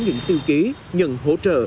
những tư ký nhận hỗ trợ